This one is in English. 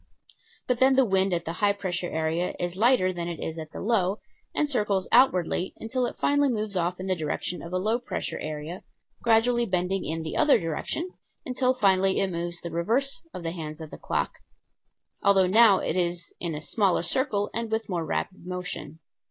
[Illustration: FIG. 2.] But then the wind at the high pressure area is lighter than it is at the low, and circles outwardly until it finally moves off in the direction of a low pressure area, gradually bending in the other direction until finally it moves the reverse of the hands of a clock although now it is in a smaller circle, and with a more rapid motion.